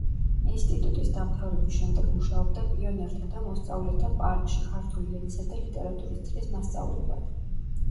ინსტიტუტის დამთავრების შემდეგ მუშაობდა პიონერთა და მოსწავლეთა პარკში ქართული ენისა და ლიტერატურის წრის მასწავლებლად.